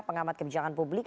pengamat kebijakan publik